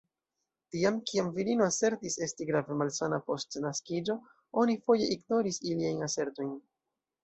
Tiam, kiam virino asertis esti grave malsana post naskiĝo, oni foje ignoris iliajn asertojn.